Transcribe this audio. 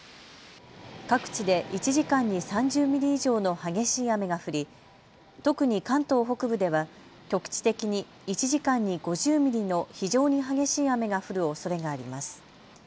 各地で１時間に３０ミリ以上の激しい雨が降り特に関東北部では局地的に１時間に５０ミリの非常に激しい雨が降るおそれがあります。